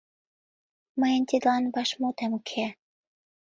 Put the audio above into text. Мыйын тидлан вашмутем уке.